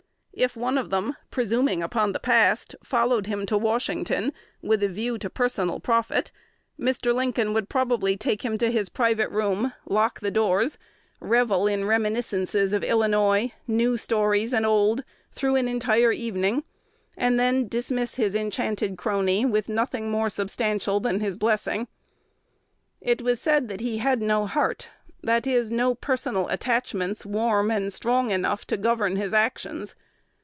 If one of them, presuming upon the past, followed him to Washington with a view to personal profit, Mr. Lincoln would probably take him to his private room, lock the doors, revel in reminiscences of Illinois, new stories and old, through an entire evening, and then dismiss his enchanted crony with nothing more substantial than his blessing. It was said that "he had no heart;" that is, no personal attachments warm and strong enough to govern his actions.